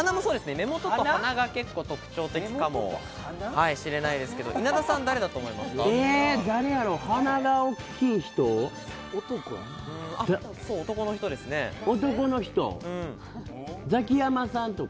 目元と鼻が結構特徴的かもしれないですけど、稲田さん誰だと思いますか？